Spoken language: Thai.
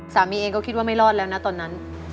สามีเองก็คิดว่าไม่รอดแล้วนะตอนนั้น